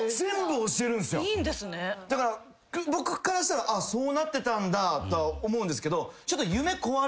だから僕からしたらそうなってたんだとは思うんですけど。